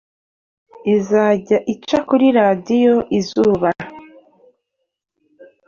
izajya ica kuri Radiyo Izuba,